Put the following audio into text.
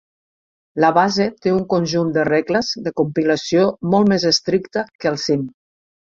La base té un conjunt de regles de compilació molt més estricte que el cim.